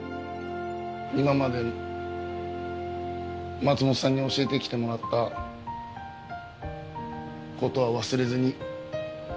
今まで松本さんに教えてきてもらった事は忘れずに。